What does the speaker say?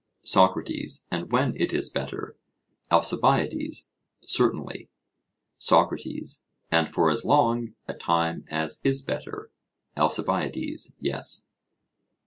SOCRATES: And when it is better? ALCIBIADES: Certainly. SOCRATES: And for as long a time as is better? ALCIBIADES: Yes.